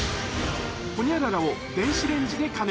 ホニャララを電子レンジで加熱。